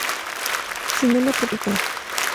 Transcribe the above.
Cinema Tropical.